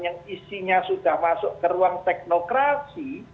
yang isinya sudah masuk ke ruang teknokrasi